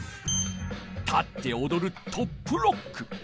立っておどる「トップロック」。